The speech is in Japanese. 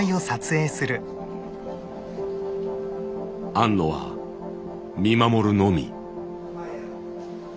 庵野は見守るのみ。